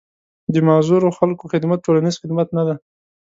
د معذورو خلکو خدمت ټولنيز خدمت نه دی.